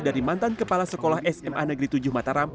dari mantan kepala sekolah sma negeri tujuh mataram